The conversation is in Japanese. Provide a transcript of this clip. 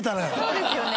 そうですよね。